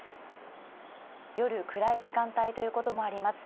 夜暗い時間帯ということもあります。